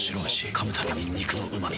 噛むたびに肉のうま味。